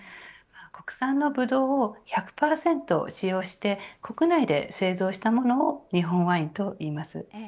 国産のブドウを１００％使用して国内で製造したものを日本ワインといいます。